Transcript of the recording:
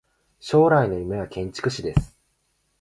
将来の夢は建築士です。